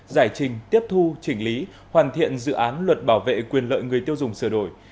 giải trình tiếp thu chỉnh lý hoàn thiện dự án luật bảo vệ quyền lợi người tiêu dùng sửa đổi